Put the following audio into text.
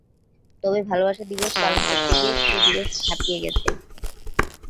তবে ভালোবাসা দিবস পালন করতে গিয়ে সে দিবস ছাপিয়ে গেছে।